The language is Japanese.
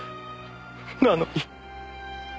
なのに。